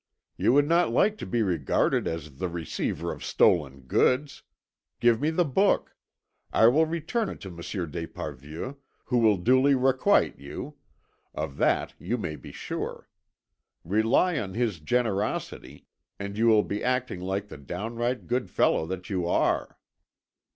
You would not like to be regarded as the receiver of stolen goods. Give me the book. I will return it to Monsieur d'Esparvieu, who will duly requite you; of that you may be sure. Rely on his generosity, and you will be acting like the downright good fellow that you are."